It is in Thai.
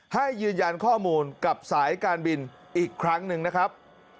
ให้ยืนยันข้อมูลกับสายการบินอีกครั้งหนึ่งนะครับ